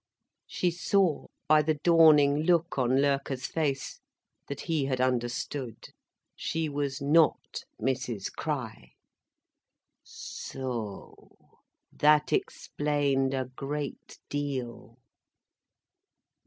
She saw, by the dawning look on Loerke's face, that he had understood. She was not Mrs Crich! So o , that explained a great deal.